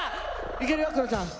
いけるよ黒ちゃん！